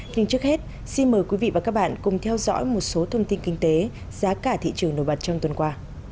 nhưng trước hết xin mời quý vị và các bạn cùng theo dõi một số thông tin kinh tế giá cả thị trường nổi bật trong tuần qua